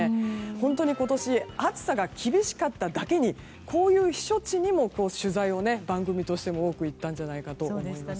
本当に今年暑さが厳しかっただけにこういう避暑地にも取材を番組としても多く行ったんじゃないかと思います。